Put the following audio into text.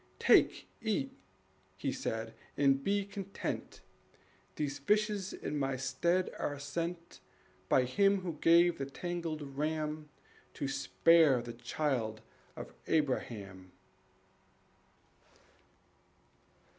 "Take, eat," he said, "and be content; These fishes in my stead are sent By Him who gave the tangled ram To spare the child of Abraham."